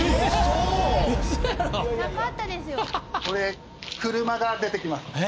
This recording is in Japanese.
これ車が出てきます。